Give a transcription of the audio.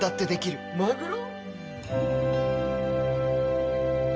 マグロ？